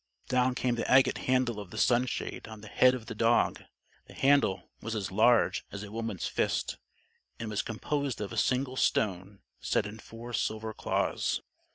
Down came the agate handle of the sunshade on the head of the dog. The handle was as large as a woman's fist, and was composed of a single stone, set in four silver claws.